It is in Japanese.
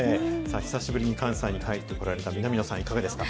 久しぶりに関西に帰ってこられる南野さん、いかがですか。